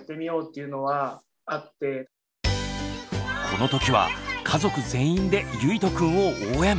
この時は家族全員でゆいとくんを応援。